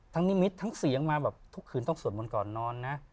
นิมิตทั้งเสียงมาแบบทุกคืนต้องสวดมนต์ก่อนนอนนะ